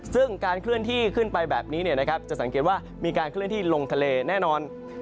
ซึ่งการเคลื่อนที่ขึ้นไปแบบนี้จะสังเกตว่ามีการเคลื่อนที่ลงทะเลแน่นอน